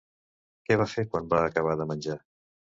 Què va fer quan va acabar de menjar?